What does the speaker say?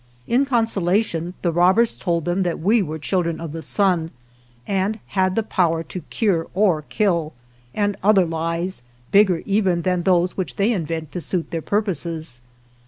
In consolation, the robbers told them that we were children of the sun, and had the power to cure or kill, and other lies, bigger even than those which they invent to suit their purposes.